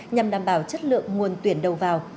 nhằm đảm bảo chất lượng nguồn tuyển đầu vào